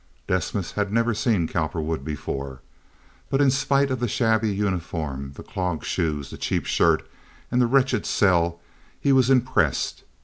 Desmas had never seen Cowperwood before, but in spite of the shabby uniform, the clog shoes, the cheap shirt, and the wretched cell, he was impressed.